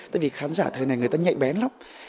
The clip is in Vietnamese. tại vì khán giả thời này người ta nhạy bén lắm